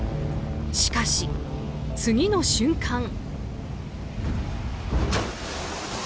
しかし、次の瞬間。